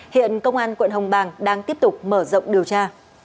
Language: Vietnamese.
hiện công an quận hồng bàng đang tiếp tục mở rộng điều tra